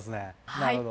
なるほど。